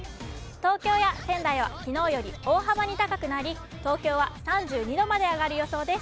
東京や仙台はきのうより大幅に高くなり、東京は３２度まで上がる予想です。